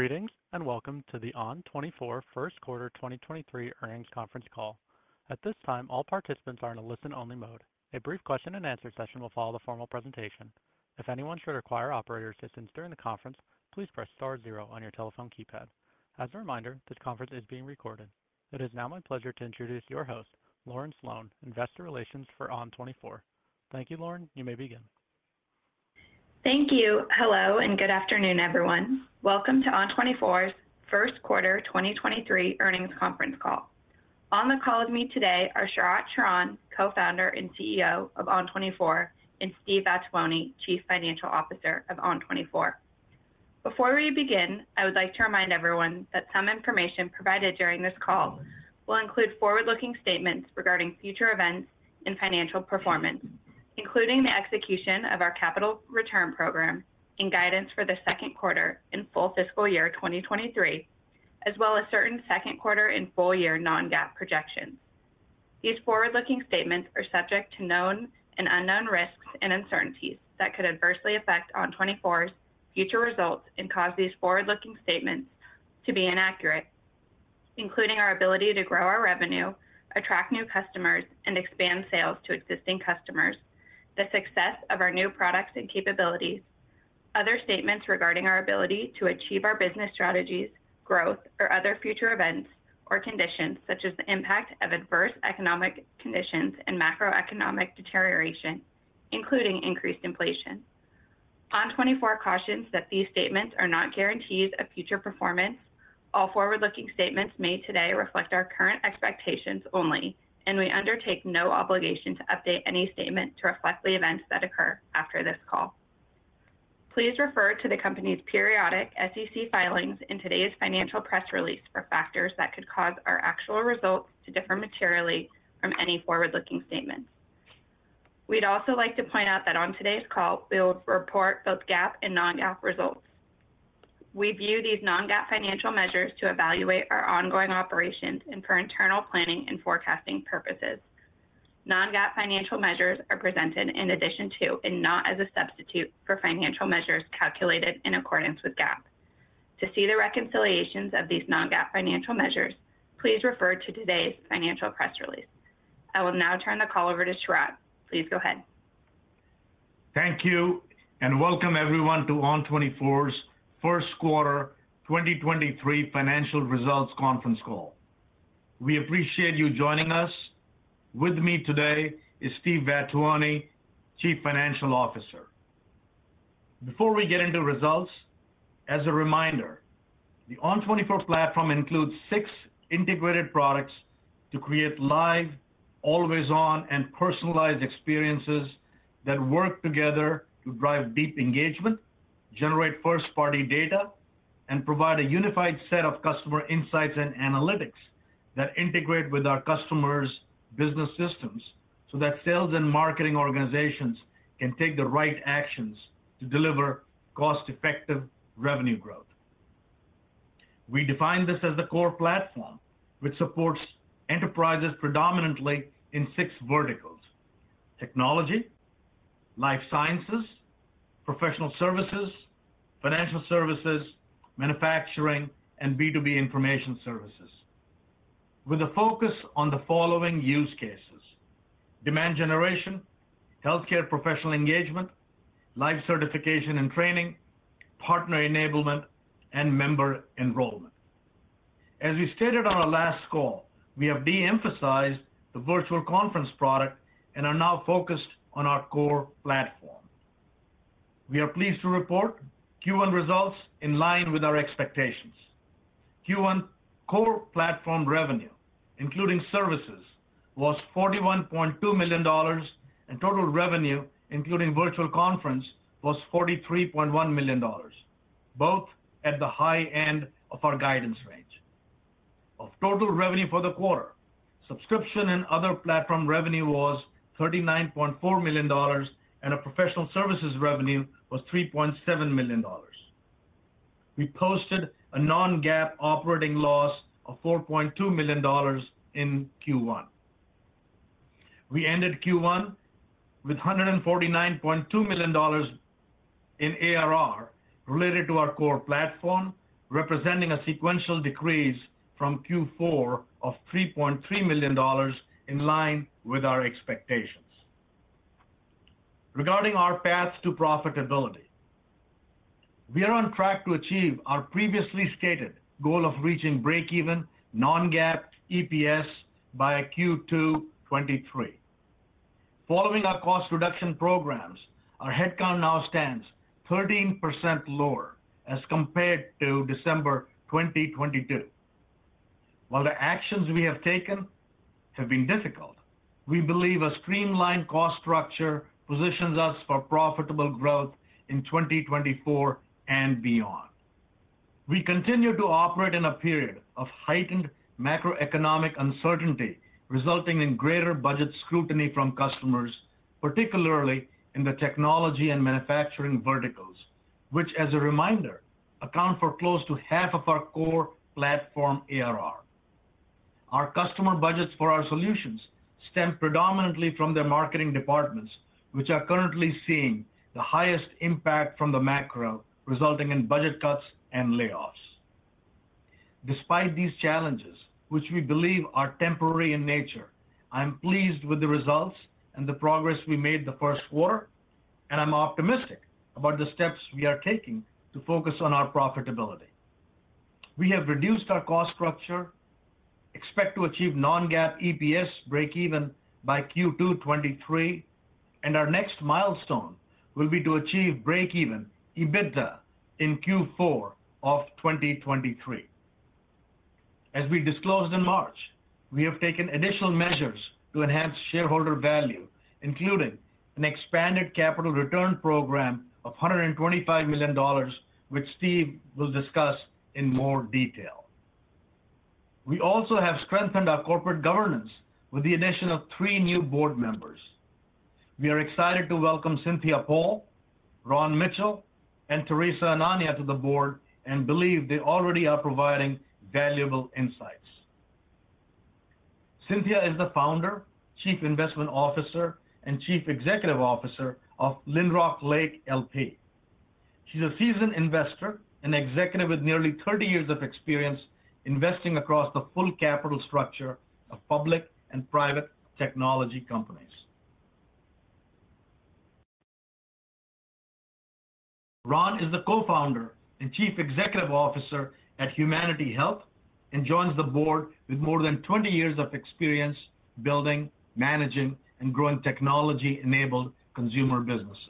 Greetings, and welcome to the ON24 first quarter 2023 earnings conference call. At this time, all participants are in a listen-only mode. A brief question and answer session will follow the formal presentation. If anyone should require operator assistance during the conference, please press star zero on your telephone keypad. As a reminder, this conference is being recorded. It is now my pleasure to introduce your host, Lauren Sloane, Investor Relations for ON24. Thank you, Lauren. You may begin. Thank you. Hello, and good afternoon, everyone. Welcome to ON24's 1st quarter 2023 earnings conference call. On the call with me today are Sharat Sharan, Co-Founder and Chief Executive Officer of ON24, and Steve Vattuone, Chief Financial Officer of ON24. Before we begin, I would like to remind everyone that some information provided during this call will include forward-looking statements regarding future events and financial performance, including the execution of our capital return program and guidance for the 2nd quarter and full fiscal year 2023, as well as certain 2nd quarter and full year non-GAAP projections. These forward-looking statements are subject to known and unknown risks and uncertainties that could adversely affect ON24's future results and cause these forward-looking statements to be inaccurate, including our ability to grow our revenue, attract new customers, and expand sales to existing customers, the success of our new products and capabilities, other statements regarding our ability to achieve our business strategies, growth, or other future events or conditions, such as the impact of adverse economic conditions and macroeconomic deterioration, including increased inflation. ON24 cautions that these statements are not guarantees of future performance. All forward-looking statements made today reflect our current expectations only, and we undertake no obligation to update any statement to reflect the events that occur after this call. Please refer to the company's periodic SEC filings in today's financial press release for factors that could cause our actual results to differ materially from any forward-looking statements. We'd also like to point out that on today's call, we'll report both GAAP and non-GAAP results. We view these non-GAAP financial measures to evaluate our ongoing operations and for internal planning and forecasting purposes. Non-GAAP financial measures are presented in addition to and not as a substitute for financial measures calculated in accordance with GAAP. To see the reconciliations of these non-GAAP financial measures, please refer to today's financial press release. I will now turn the call over to Sharat. Please go ahead. Thank you, and welcome everyone to ON24's first quarter 2023 financial results conference call. We appreciate you joining us. With me today is Steve Vattuone, Chief Financial Officer. Before we get into results, as a reminder, the ON24 platform includes six integrated products to create live, always-on, and personalized experiences that work together to drive deep engagement, generate first-party data, and provide a unified set of customer insights and analytics that integrate with our customers' business systems, so that sales and marketing organizations can take the right actions to deliver cost-effective revenue growth. We define this as the core platform, which supports enterprises predominantly in six verticals: technology, life sciences, professional services, financial services, manufacturing, and B2B information services. With a focus on the following use cases: demand generation, healthcare professional engagement, life certification and training, partner enablement, and member enrollment. As we stated on our last call, we have de-emphasized the virtual conference product and are now focused on our core platform. We are pleased to report Q1 results in line with our expectations. Q1 core platform revenue, including services, was $41.2 million, and total revenue, including virtual conference, was $43.1 million, both at the high end of our guidance range. Of total revenue for the quarter, subscription and other platform revenue was $39.4 million, and our professional services revenue was $3.7 million. We posted a non-GAAP operating loss of $4.2 million in Q1. We ended Q1 with $149.2 million in ARR related to our core platform, representing a sequential decrease from Q4 of $3.3 million in line with our expectations. Regarding our path to profitability, we are on track to achieve our previously stated goal of reaching break-even non-GAAP EPS by Q2 23. Following our cost reduction programs, our headcount now stands 13% lower as compared to December 2022. While the actions we have taken have been difficult, we believe a streamlined cost structure positions us for profitable growth in 2024 and beyond. We continue to operate in a period of heightened macroeconomic uncertainty, resulting in greater budget scrutiny from customers, particularly in the technology and manufacturing verticals, which as a reminder, account for close to half of our core platform ARR. Our customer budgets for our solutions stem predominantly from their marketing departments, which are currently seeing the highest impact from the macro, resulting in budget cuts and layoffs. Despite these challenges, which we believe are temporary in nature, I'm pleased with the results and the progress we made the first quarter, I'm optimistic about the steps we are taking to focus on our profitability. We have reduced our cost structure, expect to achieve non-GAAP EPS breakeven by Q2 '23, our next milestone will be to achieve breakeven EBITDA in Q4 of 2023. As we disclosed in March, we have taken additional measures to enhance shareholder value, including an expanded capital return program of $125 million, which Steve will discuss in more detail. We also have strengthened our corporate governance with the addition of three new board members. We are excited to welcome Cynthia Paul, Ron Mitchell, and Teresa Anania to the board, believe they already are providing valuable insights. Cynthia is the Founder, Chief Investment Officer, and Chief Executive Officer of Lynrock Lake LP. She's a seasoned investor and executive with nearly 30 years of experience investing across the full capital structure of public and private technology companies. Ron is the Co-founder and Chief Executive Officer at Humanity Health and joins the board with more than 20 years of experience building, managing, and growing technology-enabled consumer businesses.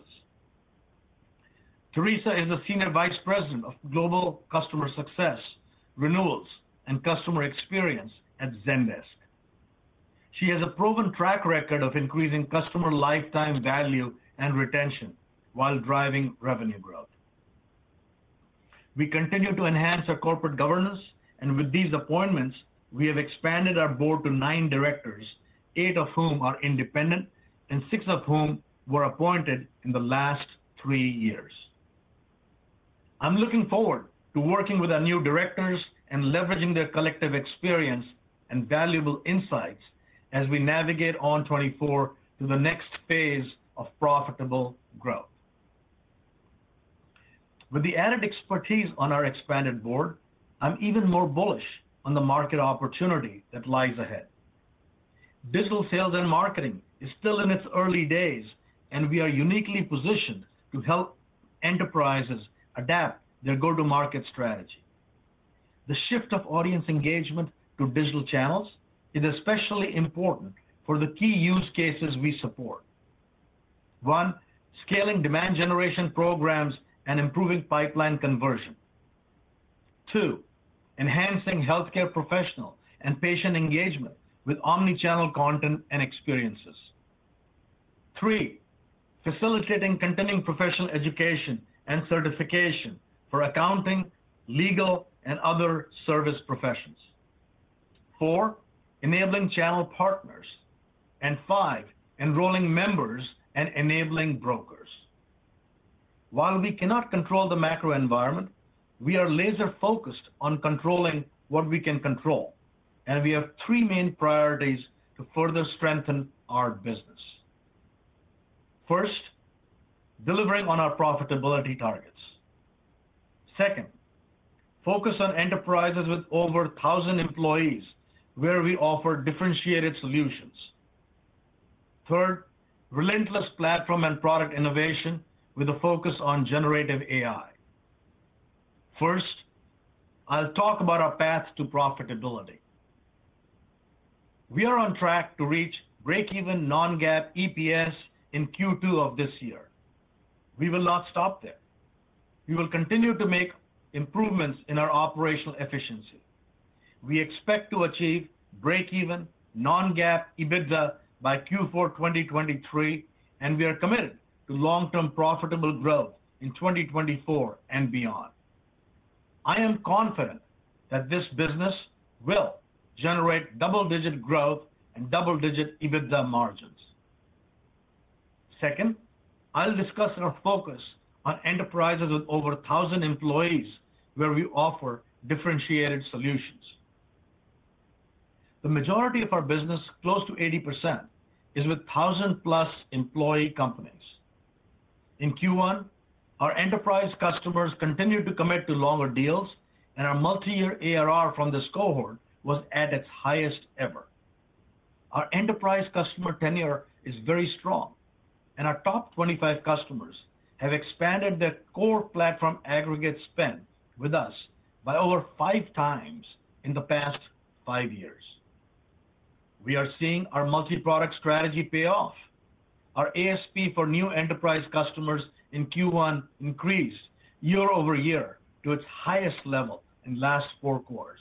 Teresa is the Senior Vice President of Global Customer Success, Renewals, and Customer Experience at Zendesk. She has a proven track record of increasing customer lifetime value and retention while driving revenue growth. We continue to enhance our corporate governance, and with these appointments, we have expanded our board to nine directors, eight of whom are independent and six of whom were appointed in the last three years. I'm looking forward to working with our new directors and leveraging their collective experience and valuable insights as we navigate ON24 to the next phase of profitable growth. With the added expertise on our expanded board, I'm even more bullish on the market opportunity that lies ahead. Digital sales and marketing is still in its early days. We are uniquely positioned to help enterprises adapt their go-to-market strategy. The shift of audience engagement to digital channels is especially important for the key use cases we support. One, scaling demand generation programs and improving pipeline conversion. Two, enhancing healthcare professional and patient engagement with omnichannel content and experiences. Three, facilitating continuing professional education and certification for accounting, legal, and other service professions. Four, enabling channel partners. Five, enrolling members and enabling brokers. While we cannot control the macro environment, we are laser-focused on controlling what we can control, and we have three main priorities to further strengthen our business. First, delivering on our profitability targets. Second, focus on enterprises with over 1,000 employees where we offer differentiated solutions. Third, relentless platform and product innovation with a focus on generative AI. First, I'll talk about our path to profitability. We are on track to reach breakeven non-GAAP EPS in Q2 of this year. We will not stop there. We will continue to make improvements in our operational efficiency. We expect to achieve breakeven non-GAAP EBITDA by Q4 2023, and we are committed to long-term profitable growth in 2024 and beyond. I am confident that this business will generate double-digit growth and double-digit EBITDA margins. Second, I'll discuss our focus on enterprises with over 1,000 employees where we offer differentiated solutions. The majority of our business, close to 80%, is with 1,000-plus employee companies. In Q1, our enterprise customers continued to commit to longer deals, and our multi-year ARR from this cohort was at its highest ever. Our enterprise customer tenure is very strong, and our top 25 customers have expanded their core platform aggregate spend with us by over five times in the past five years. We are seeing our multi-product strategy pay off. Our ASP for new enterprise customers in Q1 increased year-over-year to its highest level in last four quarters.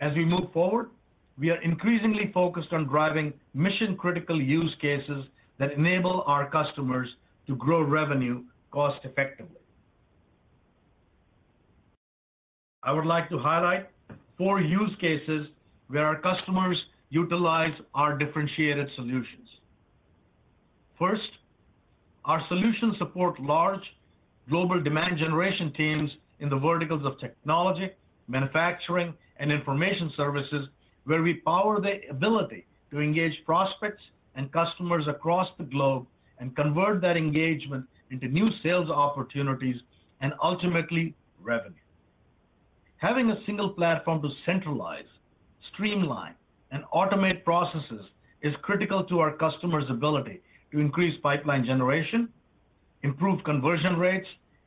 As we move forward, we are increasingly focused on driving mission-critical use cases that enable our customers to grow revenue cost effectively. I would like to highlight four use cases where our customers utilize our differentiated solutions. First, our solutions support large global demand generation teams in the verticals of technology, manufacturing, and information services, where we power the ability to engage prospects and customers across the globe and convert that engagement into new sales opportunities and ultimately revenue. Having a single platform to centralize, streamline, and automate processes is critical to our customers' ability to increase pipeline generation, improve conversion rates,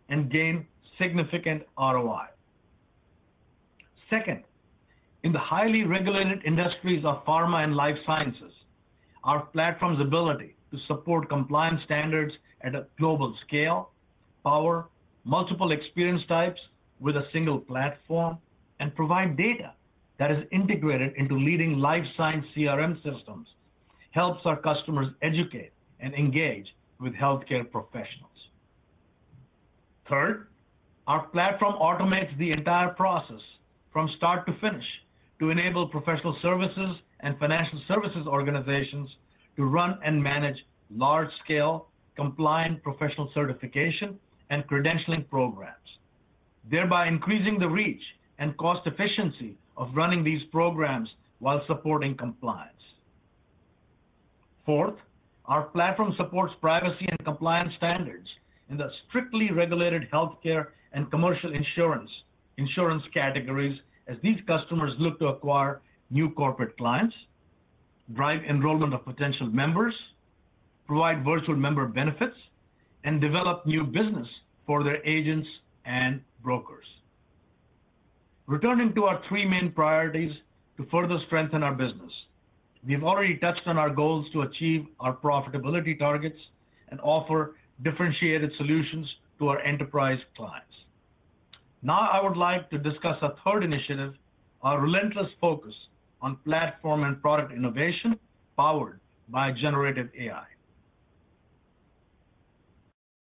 and gain significant ROI. Second, in the highly regulated industries of pharma and life sciences, our platform's ability to support compliance standards at a global scale, power multiple experience types with a single platform, and provide data that is integrated into leading life science CRM systems, helps our customers educate and engage with healthcare professionals. Our platform automates the entire process from start to finish to enable professional services and financial services organizations to run and manage large-scale compliant professional certification and credentialing programs, thereby increasing the reach and cost efficiency of running these programs while supporting compliance. Our platform supports privacy and compliance standards in the strictly regulated healthcare and commercial insurance categories as these customers look to acquire new corporate clients, drive enrollment of potential members, provide virtual member benefits, and develop new business for their agents and brokers. Returning to our three main priorities to further strengthen our business. We've already touched on our goals to achieve our profitability targets and offer differentiated solutions to our enterprise clients. I would like to discuss our third initiative, our relentless focus on platform and product innovation powered by generative AI.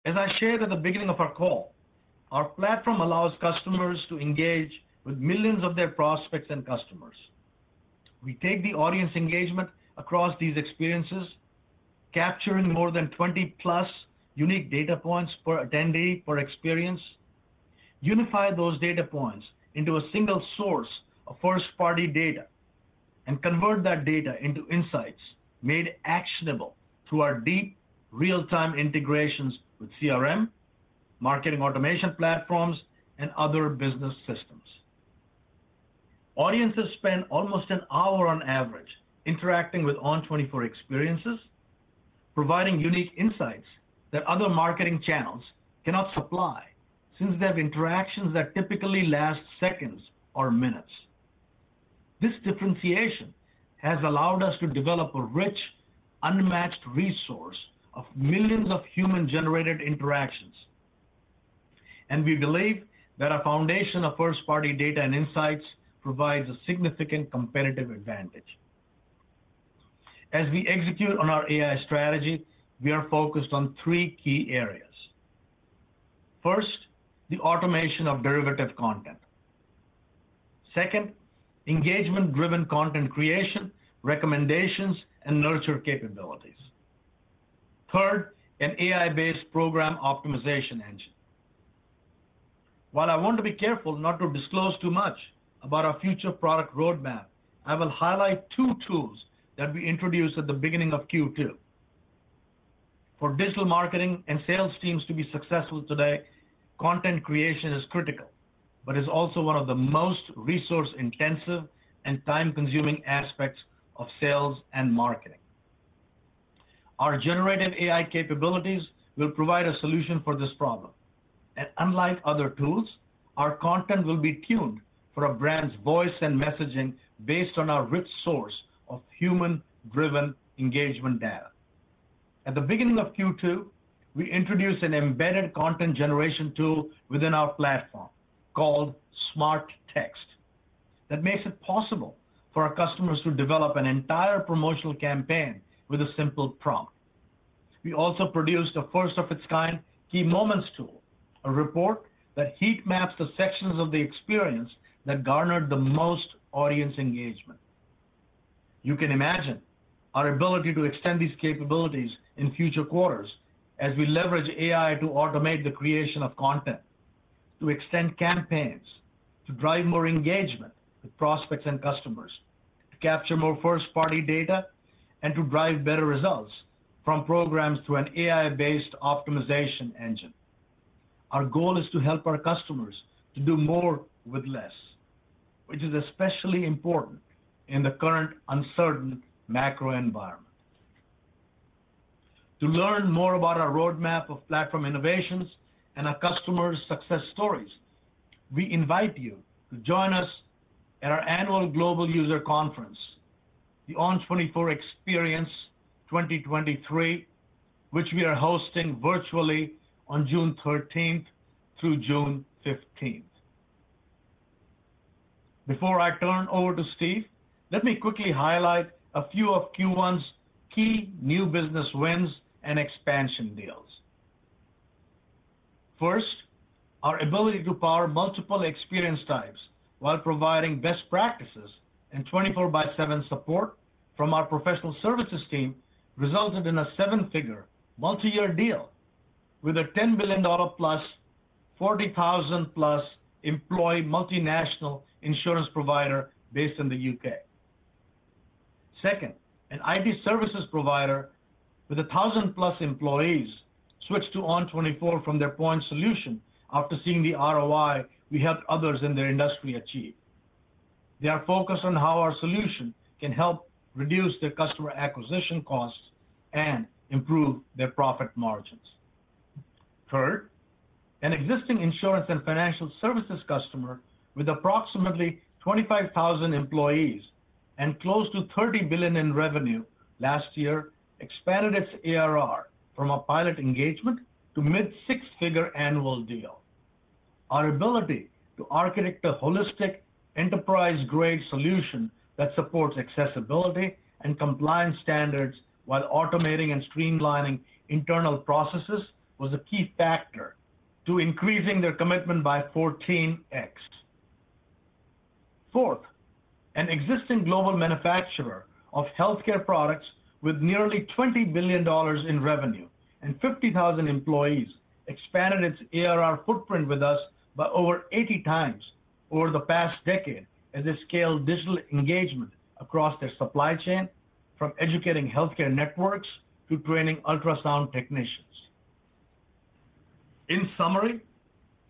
As I shared at the beginning of our call, our platform allows customers to engage with millions of their prospects and customers. We take the audience engagement across these experiences, capturing more than 20+ unique data points per attendee per experience, unify those data points into a single source of first-party data, and convert that data into insights made actionable through our deep real-time integrations with CRM, marketing automation platforms, and other business systems. Audiences spend almost an hour on average interacting with ON24 experiences, providing unique insights that other marketing channels cannot supply since they have interactions that typically last seconds or minutes. This differentiation has allowed us to develop a rich, unmatched resource of millions of human-generated interactions. We believe that our foundation of first-party data and insights provides a significant competitive advantage. As we execute on our AI strategy, we are focused on three key areas. First, the automation of derivative content. Second, engagement-driven content creation, recommendations, and nurture capabilities. Third, an AI-based program optimization engine. While I want to be careful not to disclose too much about our future product roadmap, I will highlight two tools that we introduced at the beginning of Q2. For digital marketing and sales teams to be successful today, content creation is critical, but is also one of the most resource-intensive and time-consuming aspects of sales and marketing. Our generated AI capabilities will provide a solution for this problem. Unlike other tools, our content will be tuned for a brand's voice and messaging based on our rich source of human-driven engagement data. At the beginning of Q2, we introduced an embedded content generation tool within our platform called SmartText that makes it possible for our customers to develop an entire promotional campaign with a simple prompt. We also produced a first of its kind Key Moments tool, a report that heat maps the sections of the experience that garnered the most audience engagement. You can imagine our ability to extend these capabilities in future quarters as we leverage AI to automate the creation of content, to extend campaigns, to drive more engagement with prospects and customers, to capture more first-party data, and to drive better results from programs through an AI-based optimization engine. Our goal is to help our customers to do more with less, which is especially important in the current uncertain macro environment. To learn more about our roadmap of platform innovations and our customers' success stories, we invite you to join us at our annual global user conference, The ON24 Experience 2023, which we are hosting virtually on June 13th through June 15th. Before I turn over to Steve, let me quickly highlight a few of Q1's key new business wins and expansion deals. First, our ability to power multiple experience types while providing best practices and 24/7 support from our professional services team resulted in a seven-figure multi-year deal with a $10 billion+, 40,000+ employee multinational insurance provider based in the U.K. Second, an IT services provider with 1,000+ employees switched to ON24 from their point solution after seeing the ROI we helped others in their industry achieve. They are focused on how our solution can help reduce their customer acquisition costs and improve their profit margins. Third, an existing insurance and financial services customer with approximately 25,000 employees and close to $30 billion in revenue last year expanded its ARR from a pilot engagement to mid six-figure annual deal. Our ability to architect a holistic enterprise-grade solution that supports accessibility and compliance standards while automating and streamlining internal processes was a key factor to increasing their commitment by 14x. Fourth, an existing global manufacturer of healthcare products with nearly $20 billion in revenue and 50,000 employees expanded its ARR footprint with us by over 80 times over the past decade as they scaled digital engagement across their supply chain from educating healthcare networks to training ultrasound technicians. In summary,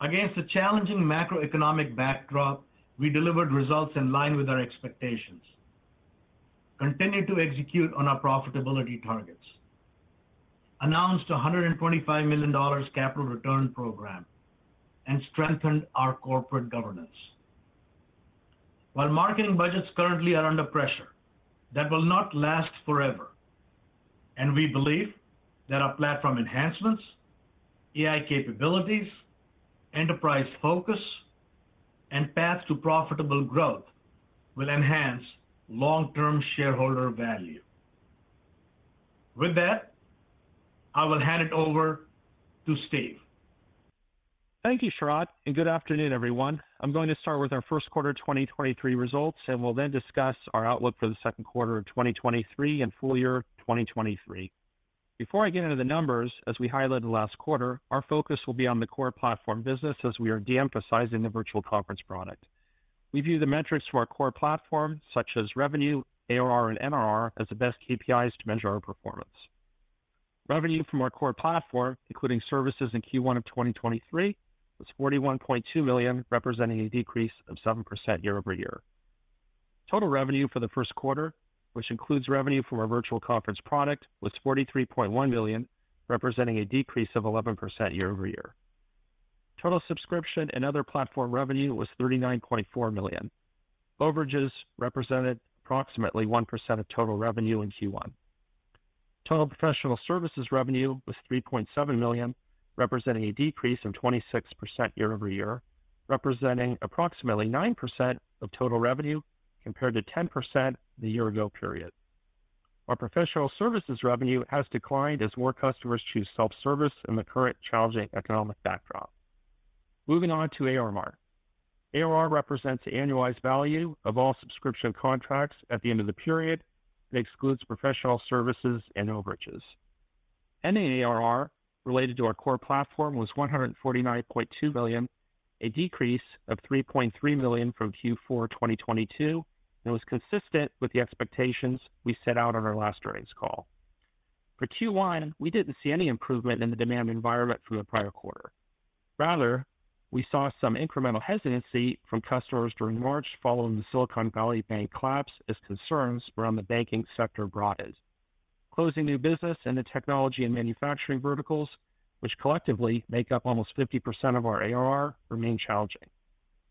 against a challenging macroeconomic backdrop, we delivered results in line with our expectations, continued to execute on our profitability targets, announced a $125 million capital return program, and strengthened our corporate governance. While marketing budgets currently are under pressure, that will not last forever, and we believe that our platform enhancements, AI capabilities, enterprise focus, and path to profitable growth will enhance long-term shareholder value. With that, I will hand it over to Steve. Thank you, Sharat. Good afternoon, everyone. I'm going to start with our first quarter 2023 results, and will then discuss our outlook for the second quarter of 2023 and full year 2023. Before I get into the numbers, as we highlighted last quarter, our focus will be on the core platform business as we are de-emphasizing the virtual conference product. We view the metrics for our core platform, such as revenue, ARR, and MRR, as the best KPIs to measure our performance. Revenue from our core platform, including services in Q1 of 2023, was $41.2 million, representing a decrease of 7% year-over-year. Total revenue for the first quarter, which includes revenue from our virtual conference product, was $43.1 million, representing a decrease of 11% year-over-year. Total subscription and other platform revenue was $39.4 million. Overages represented approximately 1% of total revenue in Q1. Total professional services revenue was $3.7 million, representing a decrease of 26% year-over-year, representing approximately 9% of total revenue compared to 10% the year ago period. Our professional services revenue has declined as more customers choose self-service in the current challenging economic backdrop. Moving on to ARR. ARR represents the annualized value of all subscription contracts at the end of the period and excludes professional services and overages. Ending ARR related to our core platform was $149.2 million, a decrease of $3.3 million from Q4 2022, and was consistent with the expectations we set out on our last earnings call. For Q1, we didn't see any improvement in the demand environment from the prior quarter. Rather, we saw some incremental hesitancy from customers during March following the Silicon Valley Bank collapse as concerns around the banking sector broadened. Closing new business in the technology and manufacturing verticals, which collectively make up almost 50% of our ARR, remain challenging.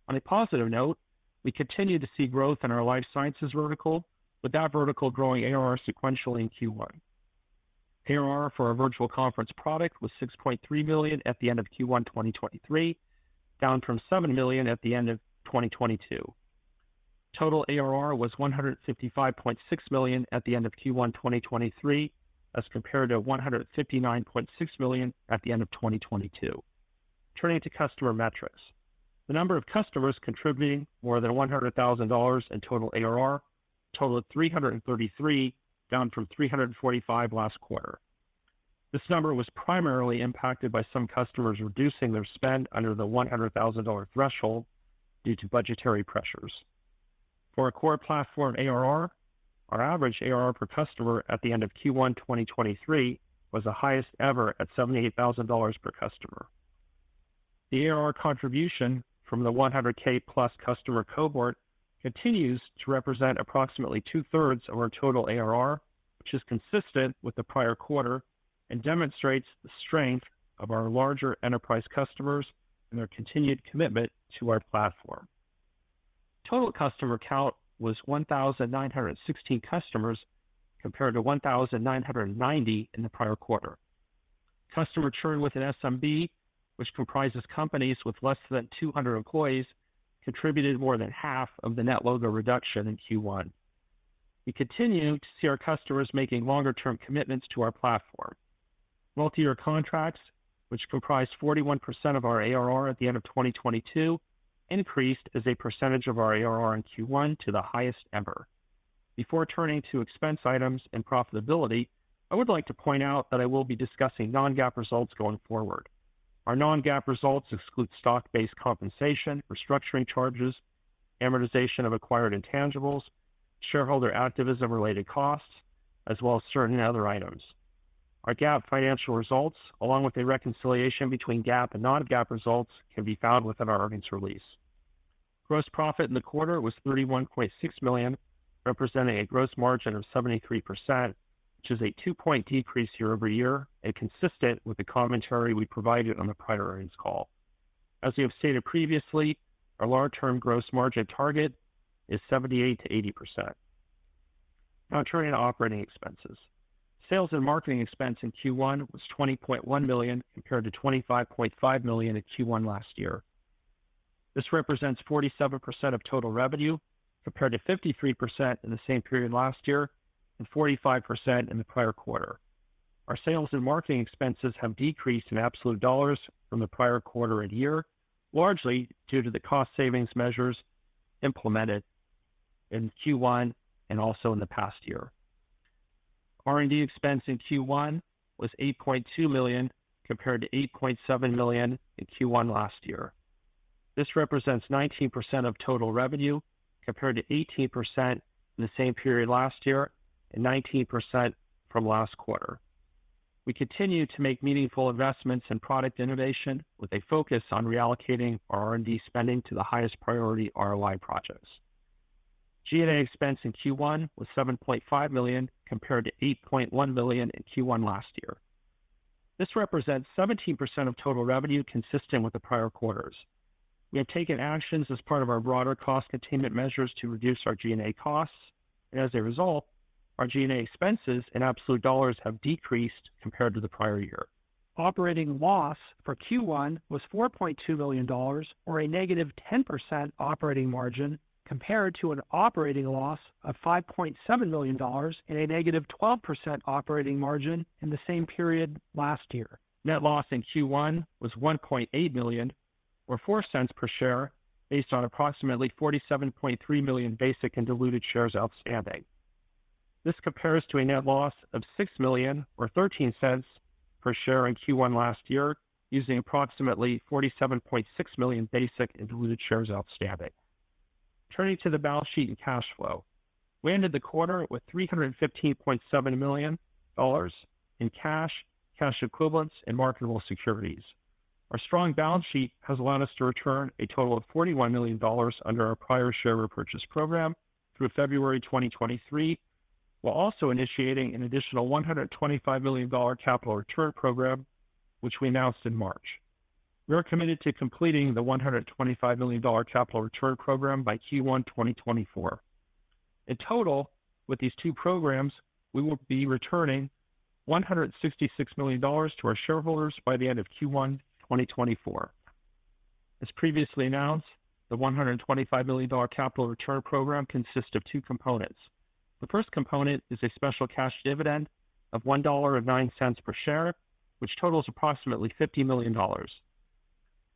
On a positive note, we continue to see growth in our life sciences vertical, with that vertical growing ARR sequentially in Q1. ARR for our virtual conference product was $6.3 million at the end of Q1 2023, down from $7 million at the end of 2022. Total ARR was $155.6 million at the end of Q1 2023 as compared to $159.6 million at the end of 2022. Turning to customer metrics. The number of customers contributing more than $100,000 in total ARR totaled 333, down from 345 last quarter. This number was primarily impacted by some customers reducing their spend under the $100,000 threshold due to budgetary pressures. For our core platform ARR, our average ARR per customer at the end of Q1 2023 was the highest ever at $78,000 per customer. The ARR contribution from the 100K+ customer cohort continues to represent approximately two-thirds of our total ARR, which is consistent with the prior quarter and demonstrates the strength of our larger enterprise customers and their continued commitment to our platform. Total customer count was 1,916 customers, compared to 1,990 in the prior quarter. Customer churn with an SMB, which comprises companies with less than 200 employees, contributed more than half of the net logo reduction in Q1. We continue to see our customers making longer term commitments to our platform. Multi-year contracts, which comprise 41% of our ARR at the end of 2022, increased as a percentage of our ARR in Q1 to the highest ever. Before turning to expense items and profitability, I would like to point out that I will be discussing non-GAAP results going forward. Our non-GAAP results exclude stock-based compensation, restructuring charges, amortization of acquired intangibles, shareholder activism related costs, as well as certain other items. Our GAAP financial results, along with a reconciliation between GAAP and non-GAAP results, can be found within our earnings release. Gross profit in the quarter was $31.6 million, representing a gross margin of 73%, which is a two-point decrease year-over-year and consistent with the commentary we provided on the prior earnings call. As we have stated previously, our long-term gross margin target is 78%-80%. Now turning to operating expenses. Sales and marketing expense in Q1 was $20.1 million compared to $25.5 million in Q1 last year. This represents 47% of total revenue compared to 53% in the same period last year and 45% in the prior quarter. Our sales and marketing expenses have decreased in absolute dollars from the prior quarter and year, largely due to the cost savings measures implemented in Q1 and also in the past year. R&D expense in Q1 was $8.2 million, compared to $8.7 million in Q1 last year. This represents 19% of total revenue, compared to 18% in the same period last year and 19% from last quarter. We continue to make meaningful investments in product innovation with a focus on reallocating our R&D spending to the highest priority ROI projects. G&A expense in Q1 was $7.5 million, compared to $8.1 million in Q1 last year. This represents 17% of total revenue, consistent with the prior quarters. We have taken actions as part of our broader cost containment measures to reduce our G&A costs, and as a result, our G&A expenses in absolute dollars have decreased compared to the prior year. Operating loss for Q1 was $4.2 million or a negative 10% operating margin compared to an operating loss of $5.7 million and a negative 12% operating margin in the same period last year. Net loss in Q1 was $1.8 million or $0.04 per share based on approximately 47.3 million basic and diluted shares outstanding. This compares to a net loss of $6 million or $0.13 per share in Q1 last year, using approximately 47.6 million basic and diluted shares outstanding. Turning to the balance sheet and cash flow. We ended the quarter with $315.7 million in cash equivalents and marketable securities. Our strong balance sheet has allowed us to return a total of $41 million under our prior share repurchase program through February 2023, while also initiating an additional $125 million capital return program, which we announced in March. We are committed to completing the $125 million capital return program by Q1 2024. In total, with these two programs, we will be returning $166 million to our shareholders by the end of Q1 2024. As previously announced, the $125 million capital return program consists of two components. The first component is a special cash dividend of $1.09 per share, which totals approximately $50 million.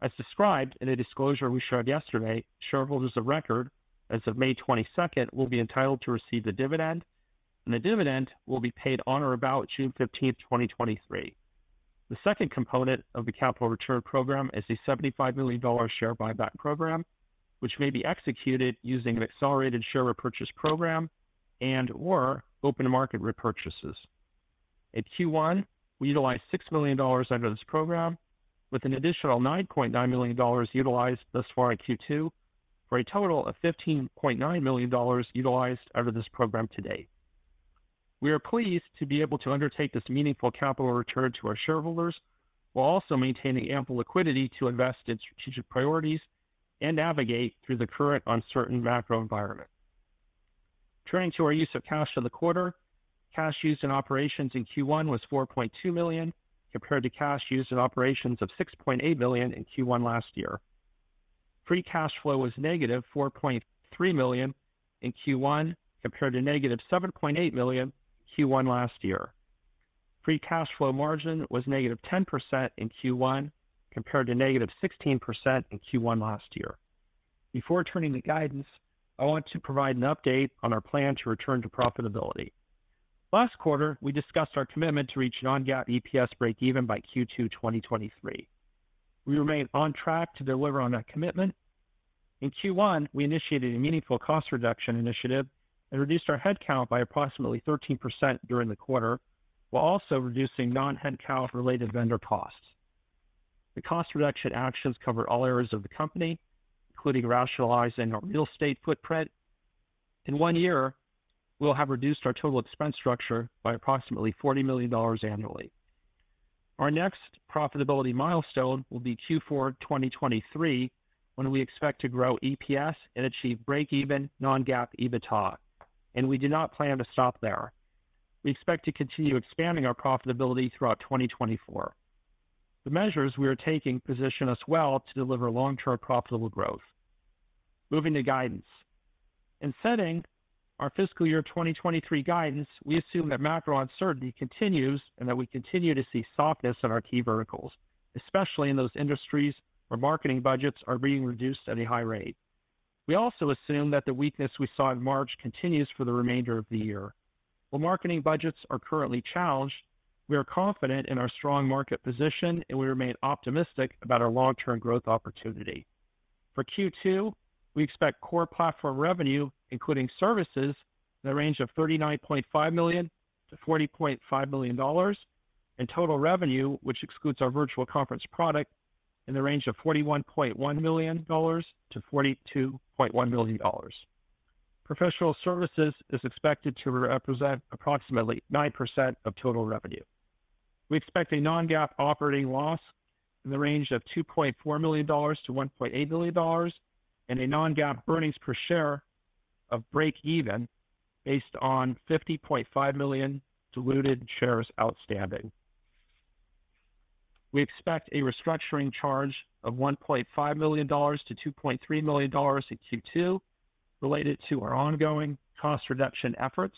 As described in a disclosure we showed yesterday, shareholders of record as of May 22nd will be entitled to receive the dividend, the dividend will be paid on or about June 15th, 2023. The second component of the capital return program is a $75 million share buyback program, which may be executed using an accelerated share repurchase program and/or open market repurchases. In Q1, we utilized $6 million under this program with an additional $9.9 million utilized thus far in Q2 for a total of $15.9 million utilized under this program to date. We are pleased to be able to undertake this meaningful capital return to our shareholders while also maintaining ample liquidity to invest in strategic priorities and navigate through the current uncertain macro environment. Turning to our use of cash for the quarter. Cash used in operations in Q1 was $4.2 million, compared to cash used in operations of $6.8 million in Q1 last year. Free cash flow was negative $4.3 million in Q1, compared to negative $7.8 million Q1 last year. Free cash flow margin was negative 10% in Q1 compared to negative 16% in Q1 last year. Before turning to guidance, I want to provide an update on our plan to return to profitability. Last quarter, we discussed our commitment to reach non-GAAP EPS breakeven by Q2 2023. We remain on track to deliver on that commitment. In Q1, we initiated a meaningful cost reduction initiative and reduced our headcount by approximately 13% during the quarter, while also reducing non-headcount related vendor costs. The cost reduction actions cover all areas of the company, including rationalizing our real estate footprint. In one year, we'll have reduced our total expense structure by approximately $40 million annually. Our next profitability milestone will be Q4 2023, when we expect to grow EPS and achieve breakeven non-GAAP EBITDA. We do not plan to stop there. We expect to continue expanding our profitability throughout 2024. The measures we are taking position us well to deliver long-term profitable growth. Moving to guidance. In setting our fiscal year 2023 guidance, we assume that macro uncertainty continues and that we continue to see softness in our key verticals, especially in those industries where marketing budgets are being reduced at a high rate. We also assume that the weakness we saw in March continues for the remainder of the year. While marketing budgets are currently challenged, we are confident in our strong market position, and we remain optimistic about our long-term growth opportunity. For Q2, we expect core platform revenue, including services, in the range of $39.5 million-$40.5 million and total revenue, which excludes our virtual conference product, in the range of $41.1 million-$42.1 million. Professional services is expected to represent approximately 9% of total revenue. We expect a non-GAAP operating loss in the range of $2.4 million-$1.8 million and a non-GAAP earnings per share of break even based on 50.5 million diluted shares outstanding. We expect a restructuring charge of $1.5 million-$2.3 million in Q2 related to our ongoing cost reduction efforts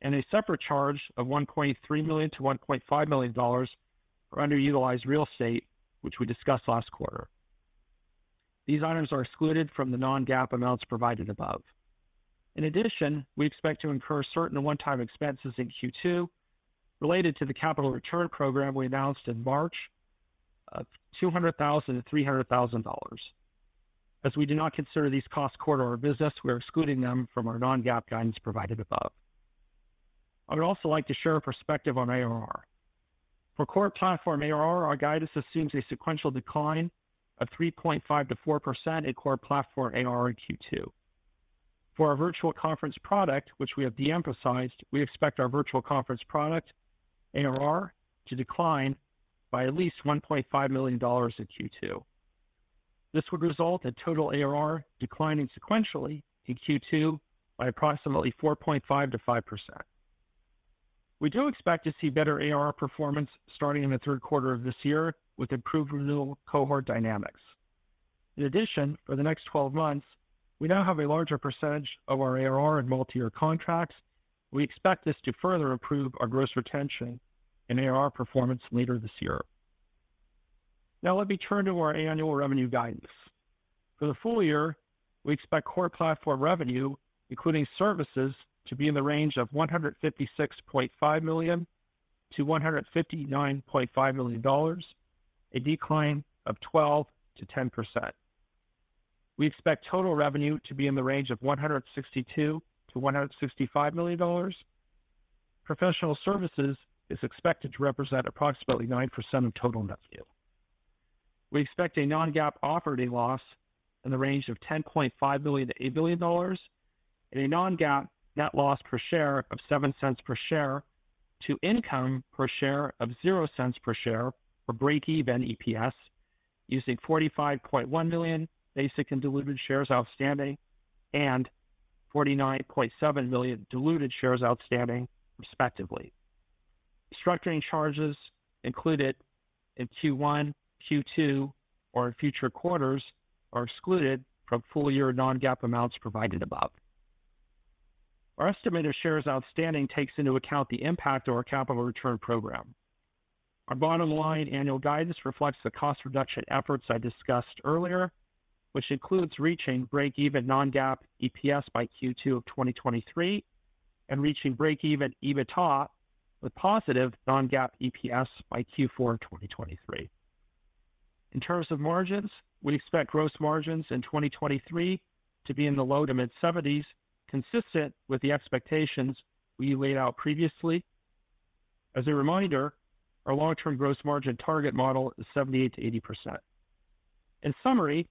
and a separate charge of $1.3 million-$1.5 million for underutilized real estate, which we discussed last quarter. These items are excluded from the non-GAAP amounts provided above. In addition, we expect to incur certain one-time expenses in Q2 related to the capital return program we announced in March of $200,000-$300,000. As we do not consider these costs core to our business, we are excluding them from our non-GAAP guidance provided above. I would also like to share a perspective on ARR. For core platform ARR, our guidance assumes a sequential decline of 3.5%-4% in core platform ARR in Q2. For our virtual conference product, which we have de-emphasized, we expect our virtual conference product ARR to decline by at least $1.5 million in Q2. This would result in total ARR declining sequentially in Q2 by approximately 4.5%-5%. We do expect to see better ARR performance starting in the third quarter of this year with improved renewal cohort dynamics. In addition, for the next 12 months, we now have a larger percentage of our ARR in multi-year contracts. We expect this to further improve our gross retention and ARR performance later this year. Let me turn to our annual revenue guidance. For the full year, we expect core platform revenue, including services, to be in the range of $156.5 million-$159.5 million, a decline of 12%-10%. We expect total revenue to be in the range of $162 million-$165 million. Professional services is expected to represent approximately 9% of total revenue. We expect a non-GAAP operating loss in the range of $10.5 million-$8 million and a non-GAAP net loss per share of $0.07 per share to income per share of $0.00 per share or break-even EPS using 45.1 million basic and diluted shares outstanding and 49.7 million diluted shares outstanding, respectively. Structuring charges included in Q1, Q2, or in future quarters are excluded from full year non-GAAP amounts provided above. Our estimate of shares outstanding takes into account the impact of our capital return program. Our bottom line annual guidance reflects the cost reduction efforts I discussed earlier, which includes reaching break-even non-GAAP EPS by Q2 of 2023 and reaching break-even EBITDA with positive non-GAAP EPS by Q4 of 2023. In terms of margins, we expect gross margins in 2023 to be in the low to mid-seventies, consistent with the expectations we laid out previously. As a reminder, our long-term gross margin target model is 78%-80%. In summary,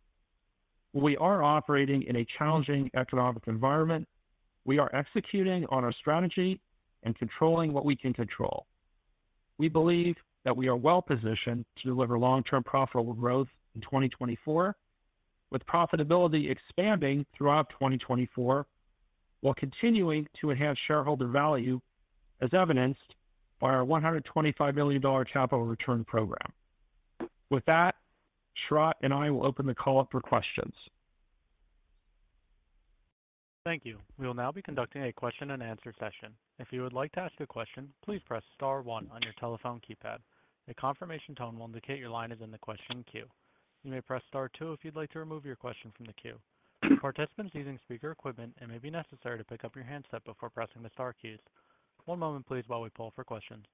we are operating in a challenging economic environment. We are executing on our strategy and controlling what we can control. We believe that we are well positioned to deliver long-term profitable growth in 2024, with profitability expanding throughout 2024, while continuing to enhance shareholder value, as evidenced by our $125 million capital return program. With that, Sharat Sharan and I will open the call up for questions. Thank you. We will now be conducting a question and answer session. If you would like to ask a question, please press star one on your telephone keypad. A confirmation tone will indicate your line is in the question queue. You may press star two if you'd like to remove your question from the queue. For participants using speaker equipment, it may be necessary to pick up your handset before pressing the star keys. One moment please while we poll for questions.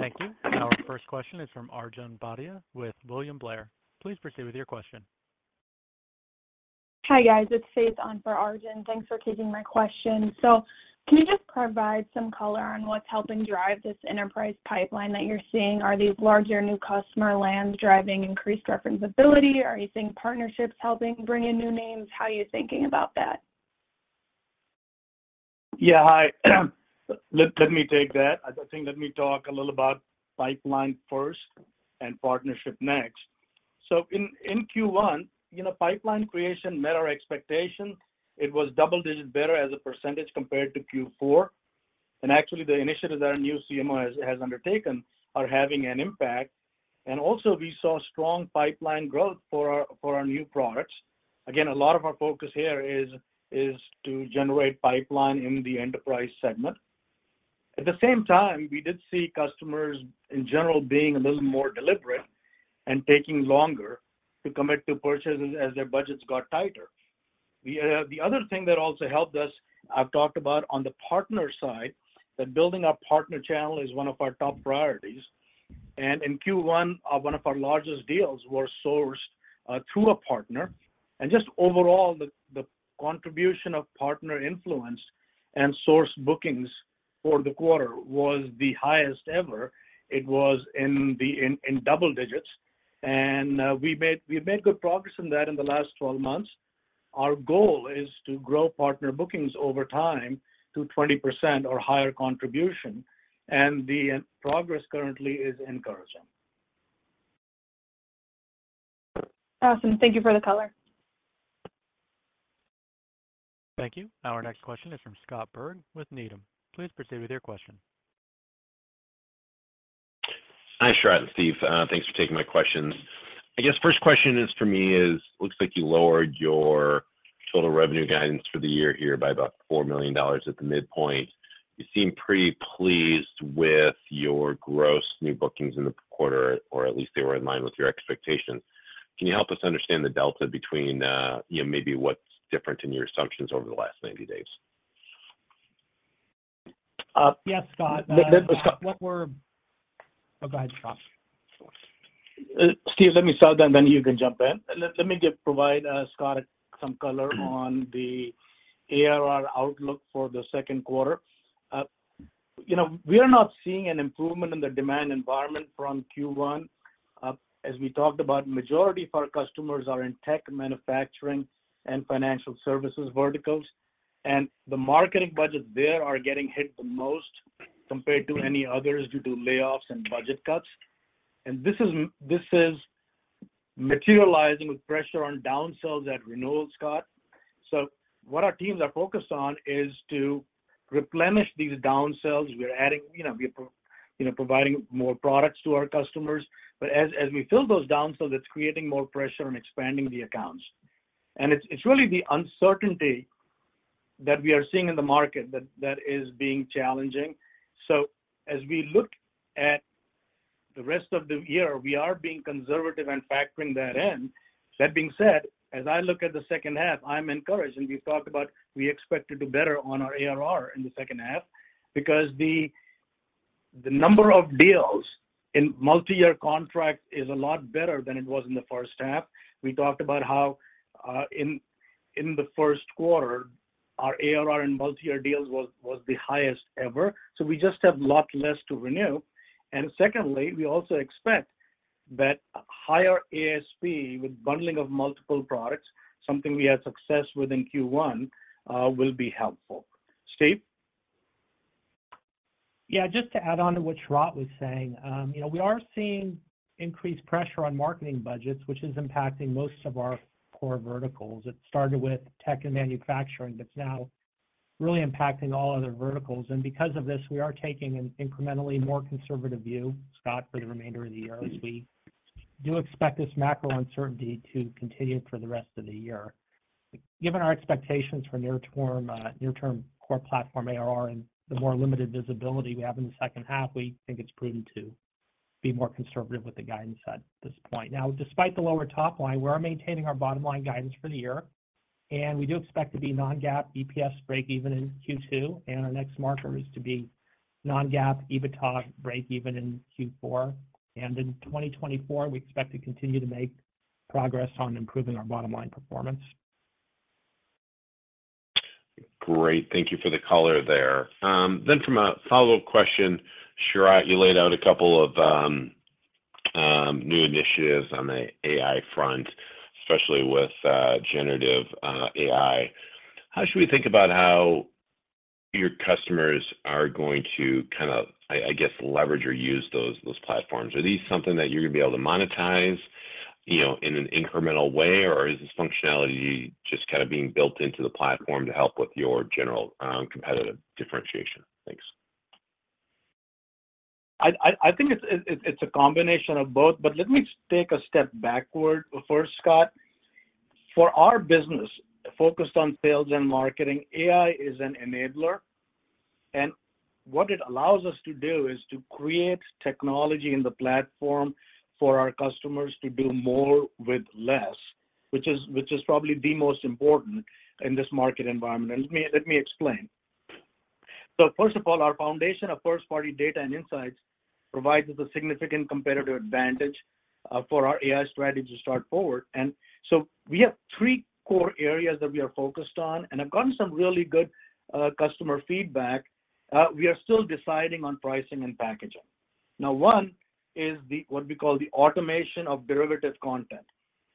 Thank you. Our first question is from Arjun Bhatia with William Blair. Please proceed with your question. Hi, guys. It's Faith on for Arjun. Thanks for taking my question. Can you just provide some color on what's helping drive this enterprise pipeline that you're seeing? Are these larger new customer lands driving increased reference ability? Are you seeing partnerships helping bring in new names? How are you thinking about that? Yeah. Hi. Let me take that. I think let me talk a little about pipeline first and partnership next. In Q1, you know, pipeline creation met our expectations. It was double-digits better as a % compared to Q4. Actually, the initiatives that our new CMO has undertaken are having an impact. Also, we saw strong pipeline growth for our new products. Again, a lot of our focus here is to generate pipeline in the enterprise segment. At the same time, we did see customers in general being a little more deliberate and taking longer to commit to purchases as their budgets got tighter. The other thing that also helped us, I've talked about on the partner side, that building our partner channel is one of our top priorities. In Q1, one of our largest deals was sourced through a partner. Just overall, the contribution of partner influence and source bookings for the quarter was the highest ever. It was in double digits. We made good progress on that in the last 12 months. Our goal is to grow partner bookings over time to 20% or higher contribution, and the progress currently is encouraging. Awesome. Thank you for the color. Thank you. Our next question is from Scott Berg with Needham. Please proceed with your question. Hi, Sharat and Steve. Thanks for taking my questions. I guess first question is for me is, looks like you lowered your total revenue guidance for the year here by about $4 million at the midpoint. You seem pretty pleased with your gross new bookings in the quarter, or at least they were in line with your expectations. Can you help us understand the delta between, you know, maybe what's different in your assumptions over the last 90 days? Uh- Yes, Scott. Scott- Go ahead, Sharat. Steve Vattuone, let me start, then you can jump in. Let me provide Scott Berg some color on the ARR outlook for the second quarter. You know, we are not seeing an improvement in the demand environment from Q1. As we talked about, majority of our customers are in tech manufacturing and financial services verticals, the marketing budgets there are getting hit the most compared to any others due to layoffs and budget cuts. This is materializing with pressure on down sales at renewals, Scott Berg. What our teams are focused on is to replenish these down sales. We're adding, you know, providing more products to our customers. As we fill those down sales, it's creating more pressure on expanding the accounts. It's really the uncertainty that we are seeing in the market that is being challenging. As we look at the rest of the year, we are being conservative and factoring that in. That being said, as I look at the second half, I'm encouraged. We've talked about we expect to do better on our ARR in the second half because the number of deals in multi-year contracts is a lot better than it was in the first half. We talked about how in the first quarter, our ARR in multi-year deals was the highest ever. We just have a lot less to renew. Secondly, we also expect that higher ASP with bundling of multiple products, something we had success with in Q1, will be helpful. Steve? Yeah, just to add on to what Sharat was saying. You know, we are seeing increased pressure on marketing budgets, which is impacting most of our core verticals. It started with tech and manufacturing, but it's now really impacting all other verticals. Because of this, we are taking an incrementally more conservative view, Scott, for the remainder of the year, as we do expect this macro uncertainty to continue for the rest of the year. Given our expectations for near term, near term core platform ARR and the more limited visibility we have in the second half, we think it's prudent to be more conservative with the guidance at this point. Now, despite the lower top line, we are maintaining our bottom line guidance for the year. We do expect to be non-GAAP EPS breakeven in Q2. Our next marker is to be non-GAAP EBITDA breakeven in Q4. In 2024, we expect to continue to make progress on improving our bottom line performance. Great. Thank you for the color there. From a follow-up question, Sharat, you laid out a couple of new initiatives on the AI front, especially with generative AI. How should we think about how your customers are going to kind of, I guess, leverage or use those platforms? Are these something that you're gonna be able to monetize, you know, in an incremental way, or is this functionality just kind of being built into the platform to help with your general competitive differentiation? Thanks. I think it's a combination of both, but let me take a step backward first, Scott. For our business, focused on sales and marketing, AI is an enabler, and what it allows us to do is to create technology in the platform for our customers to do more with less, which is probably the most important in this market environment. Let me explain. First of all, our foundation of first-party data and insights provides us a significant competitive advantage for our AI strategy to start forward. We have three core areas that we are focused on and have gotten some really good customer feedback. We are still deciding on pricing and packaging. One is the, what we call the automation of derivative content.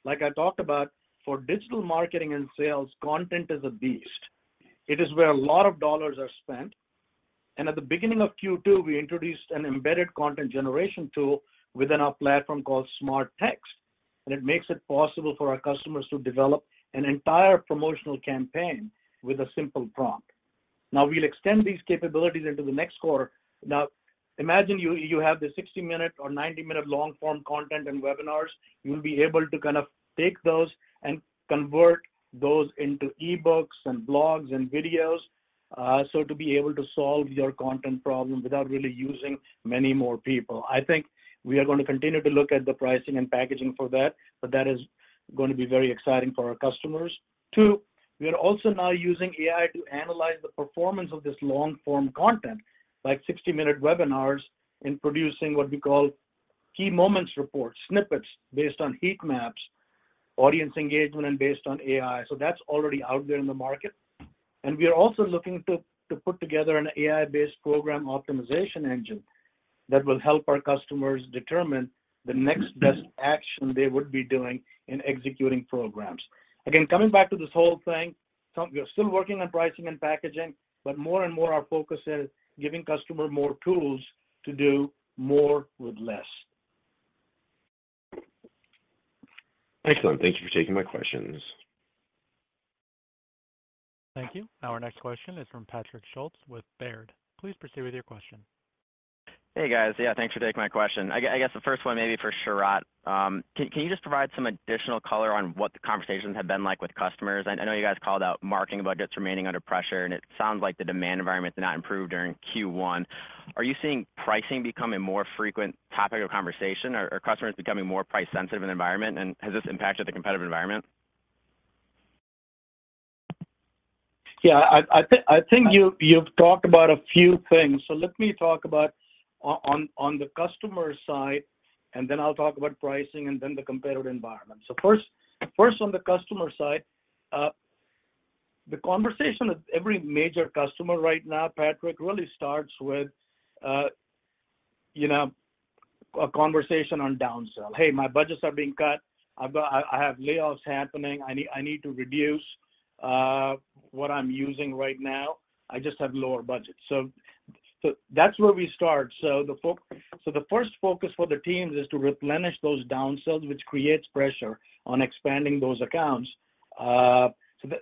Like I talked about, for digital marketing and sales, content is a beast. It is where a lot of dollars are spent. At the beginning of Q2, we introduced an embedded content generation tool within our platform called SmartText, and it makes it possible for our customers to develop an entire promotional campaign with a simple prompt. We'll extend these capabilities into the next quarter. Imagine you have the 60-minute or 90-minute long form content and webinars. You'll be able to kind of take those and convert those into e-books and blogs and videos, so to be able to solve your content problem without really using many more people. I think we are gonna continue to look at the pricing and packaging for that, but that is gonna be very exciting for our customers. Two, we are also now using AI to analyze the performance of this long form content, like 60-minute webinars, in producing what we call Key Moments reports, snippets based on heat maps, audience engagement, and based on AI. That's already out there in the market. We are also looking to put together an AI-based program optimization engine that will help our customers determine the next best action they would be doing in executing programs. Again, coming back to this whole thing, we are still working on pricing and packaging, but more and more our focus is giving customer more tools to do more with less. Excellent. Thank you for taking my questions. Thank you. Our next question is from Patrick Schulz with Baird. Please proceed with your question. Hey, guys. Yeah, thanks for taking my question. I guess the first one may be for Sharat. Can you just provide some additional color on what the conversations have been like with customers? I know you guys called out marketing budgets remaining under pressure, and it sounds like the demand environment did not improve during Q1. Are you seeing pricing become a more frequent topic of conversation? Are customers becoming more price sensitive in the environment, and has this impacted the competitive environment? Yeah. I think you've talked about a few things. Let me talk about on the customer side, and then I'll talk about pricing and then the competitive environment. First on the customer side, the conversation with every major customer right now, Patrick, really starts with, you know, a conversation on downsell. "Hey, my budgets are being cut. I have layoffs happening. I need to reduce what I'm using right now. I just have lower budgets." That's where we start. The first focus for the teams is to replenish those downsells, which creates pressure on expanding those accounts.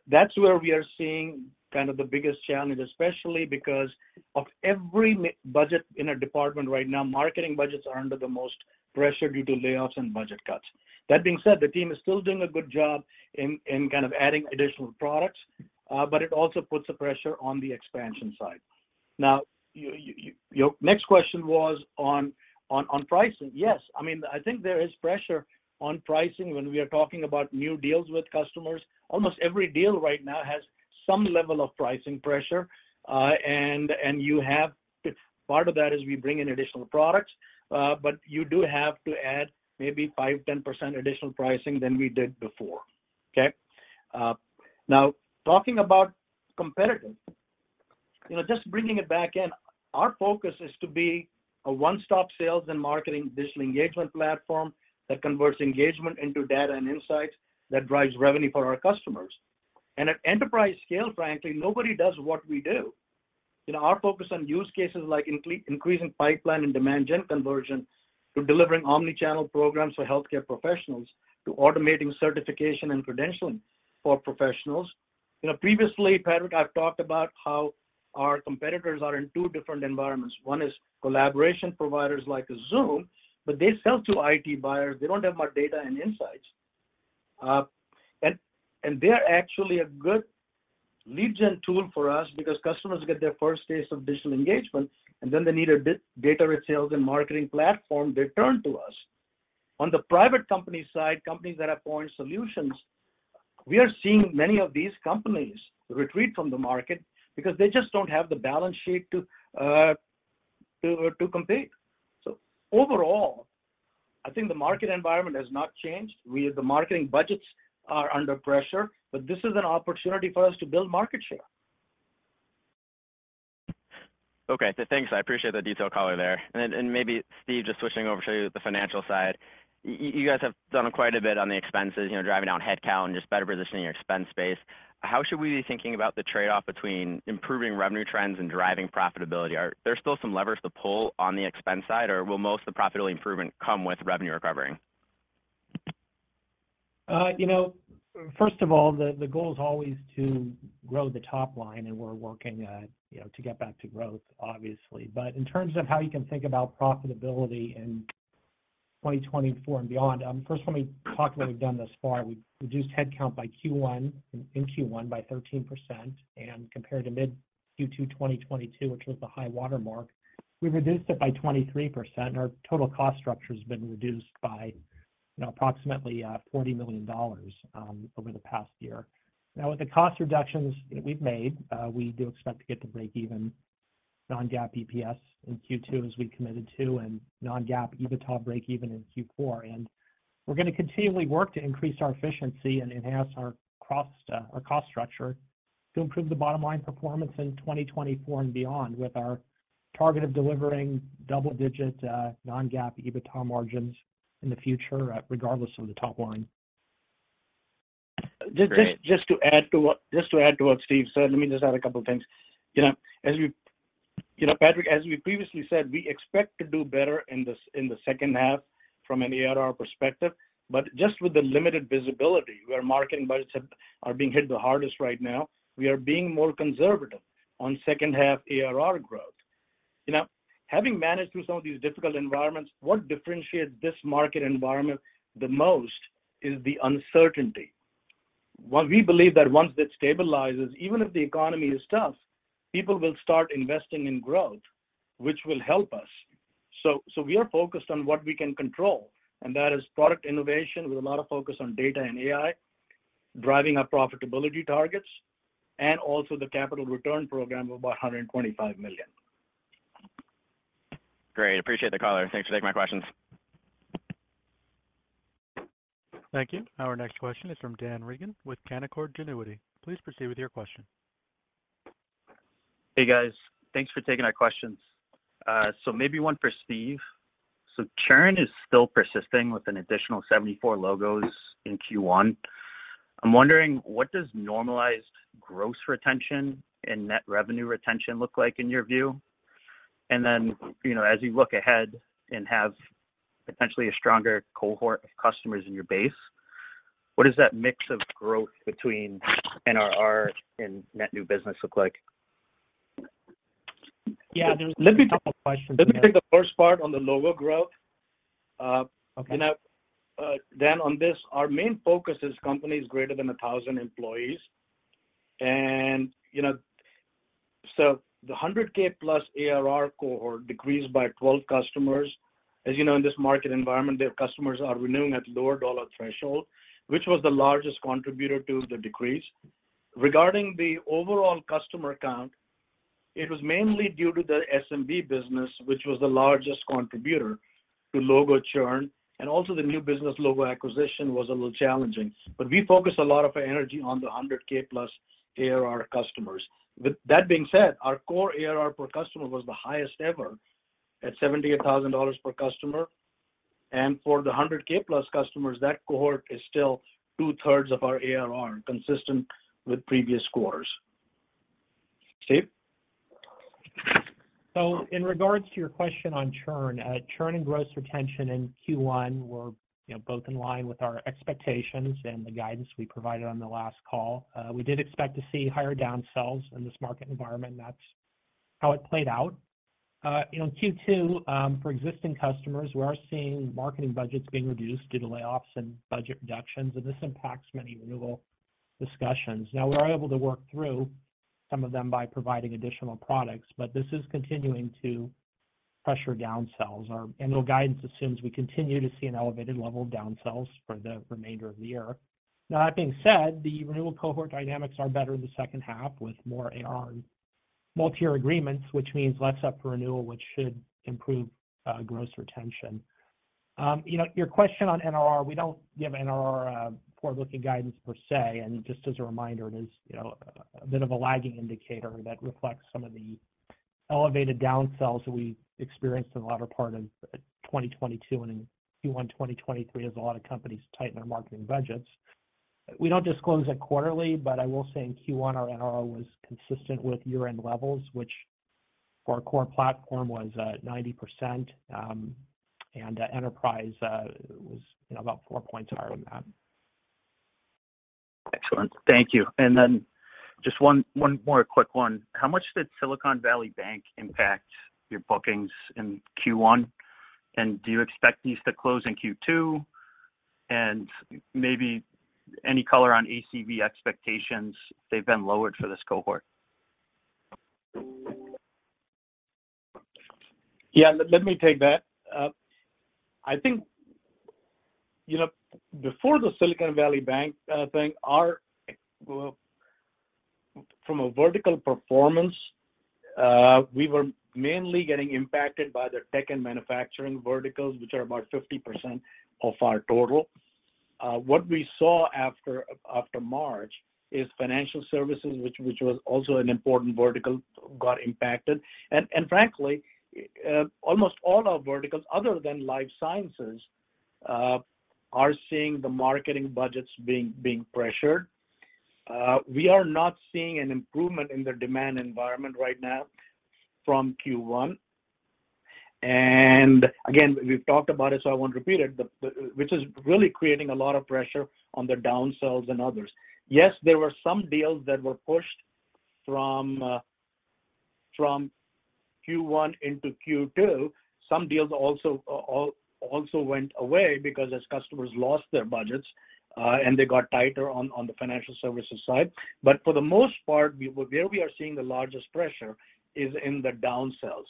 That's where we are seeing kind of the biggest challenge, especially because of every budget in a department right now, marketing budgets are under the most pressure due to layoffs and budget cuts. That being said, the team is still doing a good job in kind of adding additional products, it also puts the pressure on the expansion side. Your next question was on pricing. Yes. I mean, I think there is pressure on pricing when we are talking about new deals with customers. Almost every deal right now has some level of pricing pressure, and you have... Part of that is we bring in additional products, you do have to add maybe 5%-10% additional pricing than we did before. Okay? Talking about competitive. You know, just bringing it back in, our focus is to be a one-stop sales and marketing digital engagement platform that converts engagement into data and insights that drives revenue for our customers. At enterprise scale, frankly, nobody does what we do. You know, our focus on use cases like increasing pipeline and demand gen conversion, to delivering omni-channel programs for healthcare professionals, to automating certification and credentialing for professionals. You know, previously, Patrick, I've talked about how our competitors are in two different environments. One is collaboration providers like a Zoom, but they sell to IT buyers. They don't have our data and insights. And they're actually a good lead gen tool for us because customers get their first taste of digital engagement, and then they need a data retails and marketing platform, they turn to us. On the private company side, companies that are point solutions, we are seeing many of these companies retreat from the market because they just don't have the balance sheet to compete. Overall, I think the market environment has not changed. The marketing budgets are under pressure, but this is an opportunity for us to build market share. Thanks. I appreciate the detailed color there. Then, maybe Steve, just switching over to the financial side. You guys have done quite a bit on the expenses, you know, driving down headcount and just better positioning your expense base. How should we be thinking about the trade-off between improving revenue trends and driving profitability? Are there still some levers to pull on the expense side, or will most of the profitability improvement come with revenue recovering? You know, first of all, the goal is always to grow the top line, and we're working, you know, to get back to growth, obviously. In terms of how you can think about profitability in 2024 and beyond, first let me talk what we've done thus far. We reduced headcount by Q1, in Q1 by 13%, and compared to mid Q2 2022, which was the high watermark, we reduced it by 23%. Our total cost structure has been reduced by, you know, approximately $40 million over the past year. With the cost reductions we've made, we do expect to get to breakeven non-GAAP EPS in Q2 as we committed to, and non-GAAP EBITDA breakeven in Q4. We're gonna continually work to increase our efficiency and enhance our cost, our cost structure to improve the bottom line performance in 2024 and beyond with our target of delivering double-digit non-GAAP EBITDA margins in the future at regardless of the top line. Just to add to what Steve said, let me just add a couple things. You know, as we, you know, Patrick, as we previously said, we expect to do better in the second half from an ARR perspective. Just with the limited visibility, where marketing budgets are being hit the hardest right now, we are being more conservative on second half ARR growth. You know, having managed through some of these difficult environments, what differentiates this market environment the most is the uncertainty. What we believe that once that stabilizes, even if the economy is tough, people will start investing in growth, which will help us. We are focused on what we can control, and that is product innovation with a lot of focus on data and AI, driving our profitability targets, and also the capital return program of about $125 million. Great. Appreciate the color. Thanks for taking my questions. Thank you. Our next question is from Daniel Reagan with Canaccord Genuity. Please proceed with your question. Hey, guys. Thanks for taking our questions. Maybe one for Steve. Churn is still persisting with an additional 74 logos in Q1. I'm wondering, what does normalized gross retention and net revenue retention look like in your view? You know, as you look ahead and have potentially a stronger cohort of customers in your base, what does that mix of growth between NRR and net new business look like? Yeah, there's a couple questions there. Let me take the first part on the logo growth. Okay. You know, Dan, on this, our main focus is companies greater than 1,000 employees. You know, the 100K+ ARR cohort decreased by 12 customers. As you know, in this market environment, their customers are renewing at lower dollar threshold, which was the largest contributor to the decrease. Regarding the overall customer count, it was mainly due to the SMB business, which was the largest contributor to logo churn, and also the new business logo acquisition was a little challenging. We focus a lot of energy on the 100K+ ARR customers. With that being said, our core ARR per customer was the highest ever at $78,000 per customer. For the 100K+ customers, that cohort is still 2/3 of our ARR, consistent with previous quarters. Steve? In regards to your question on churn and gross retention in Q1 were, you know, both in line with our expectations and the guidance we provided on the last call. We did expect to see higher down sells in this market environment. That's how it played out. You know, in Q2, for existing customers, we are seeing marketing budgets being reduced due to layoffs and budget reductions, and this impacts many renewal discussions. Now, we're able to work through some of them by providing additional products, but this is continuing to pressure down sells. Our annual guidance assumes we continue to see an elevated level of down sells for the remainder of the year. That being said, the renewal cohort dynamics are better in the second half with more ARR multi-year agreements, which means less up for renewal, which should improve gross retention. You know, your question on NRR, we don't give NRR forward-looking guidance per se. Just as a reminder, it is, you know, a bit of a lagging indicator that reflects some of the elevated down sells that we experienced in the latter part of 2022 and in Q1 2023 as a lot of companies tighten their marketing budgets. We don't disclose it quarterly, but I will say in Q1, our NRR was consistent with year-end levels, which for our core platform was 90%, and enterprise was, you know, about four points higher than that. Excellent. Thank you. Then just one more quick one. How much did Silicon Valley Bank impact your bookings in Q1? Do you expect these to close in Q2? Maybe any color on ACV expectations? They've been lowered for this cohort. Yeah, let me take that. You know, before the Silicon Valley Bank thing, our from a vertical performance, we were mainly getting impacted by the tech and manufacturing verticals, which are about 50% of our total. What we saw after March is financial services, which was also an important vertical, got impacted. Frankly, almost all our verticals other than life sciences are seeing the marketing budgets being pressured. We are not seeing an improvement in the demand environment right now from Q1. Again, we've talked about it, so I won't repeat it, but which is really creating a lot of pressure on the down sells and others. Yes, there were some deals that were pushed from Q1 into Q2. Some deals also went away because as customers lost their budgets, and they got tighter on the financial services side. For the most part, where we are seeing the largest pressure is in the down sells.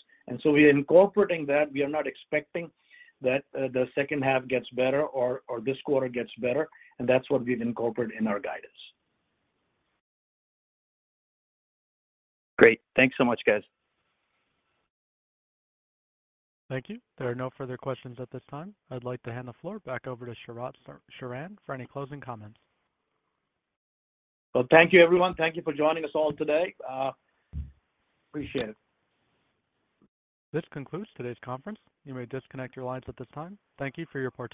We are incorporating that. We are not expecting that the second half gets better or this quarter gets better, and that's what we've incorporated in our guidance. Great. Thanks so much, guys. Thank you. There are no further questions at this time. I'd like to hand the floor back over to Sharat Sharan for any closing comments. Well, thank you everyone. Thank you for joining us all today. Appreciate it. This concludes today's conference. You may disconnect your lines at this time. Thank you for your participation